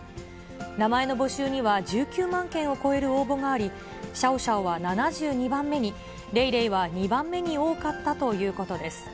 名前の募集には、１９万件を超える応募があり、シャオシャオは７２番目に、レイレイは２番目に多かったということです。